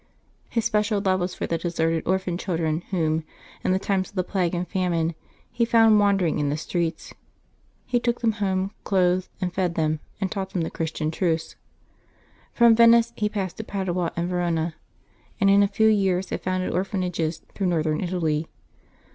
His special love Was for the deserted orphan children whom, in the times of the plague and famine, he found wandering in the streets. He took them home, clothed and fed them, and taught them the Christian truths. From Venice he passed to Padua and Verona, and in a few years had founded orphanages through Northern Italy.